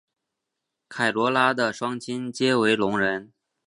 凯萝拉的双亲皆为聋人。